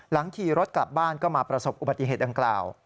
ขี่รถกลับบ้านก็มาประสบอุบัติเหตุดังกล่าว